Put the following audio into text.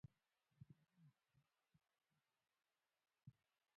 ډيپلومات د کوربه هېواد قوانین مراعاتوي.